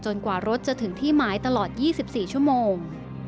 กว่ารถจะถึงที่หมายตลอด๒๔ชั่วโมง